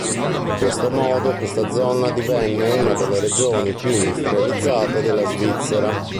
In questo modo questa zona divenne una delle regioni più industrializzate della Svizzera.